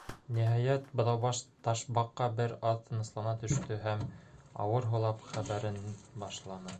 Ниһайәт, Быҙаубаш Ташбаҡа бер аҙ тыныслана төштө һәм, ауыр һулап, хәбәрен башланы.